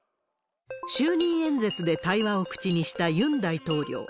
就任演説で対話を口にしたユン大統領。